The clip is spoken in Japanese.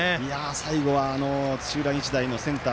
最後は土浦日大のセンター